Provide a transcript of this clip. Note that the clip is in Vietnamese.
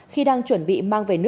thì bị lực lượng chức năng bắt giữ